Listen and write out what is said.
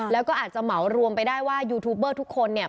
แล้วก็อาจจะเหมารวมไปได้ว่ายูทูบเบอร์ทุกคนเนี่ย